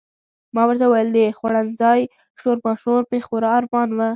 ما ورته وویل د خوړنځای شورماشور مې خورا ارمان و.